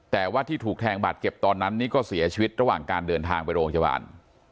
แต่ว่าที่ถูกแทงบาดเจ็บตอนนั้นนี่ก็เสียชีวิตระหว่างการเดินทางไปโรงพยาบาล